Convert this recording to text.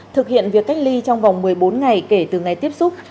thực hiện việc cách ly trong vòng một mươi bốn ngày kể từ ngày tiếp xúc